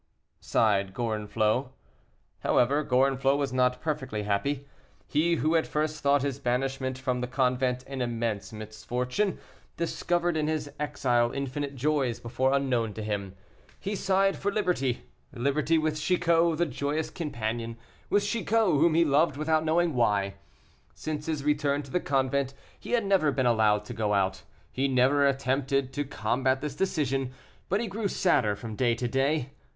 sighed Gorenflot. However, Gorenflot was not perfectly happy. He, who at first thought his banishment from the convent an immense misfortune, discovered in his exile infinite joys before unknown to him. He sighed for liberty; liberty with Chicot, the joyous companion, with Chicot, whom he loved without knowing why. Since his return to the convent, he had never been allowed to go out. He never attempted to combat this decision, but he grew sadder from day to day.